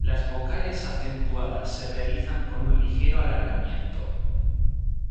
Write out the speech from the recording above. Las vocales acentuadas se realizan con un ligero alargamiento.